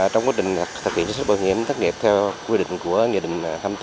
trong quá trình thực hiện chính sách bảo hiểm thất nghiệp theo quy định của nghị định hai mươi bốn